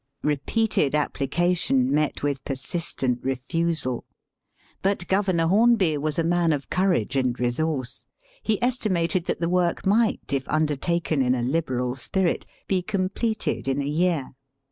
Eepeated application met with persistent refusal. But Governor Hornby was a man of courage and resource. He estimated that the work might, if under taken in a liberal spirit, be completed in a year.